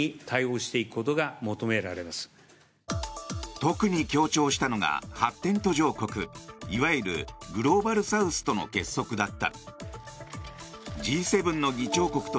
特に強調したのが発展途上国いわゆるグローバルサウスとの結束だった。